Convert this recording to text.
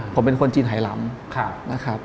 ผมเป็นคนจีนไทยลำ